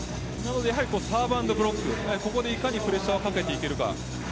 サーブアンドブロックでいかにプレッシャーをかけていけるか。